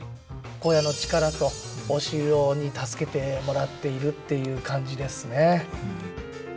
小屋の力とお城に助けてもらっているっていう感じですね。